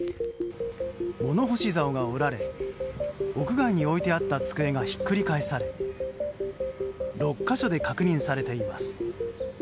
物干しざおが折られ屋外に置いてあった机がひっくり返され６か所で確認されています。